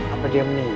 apa dia menyinggung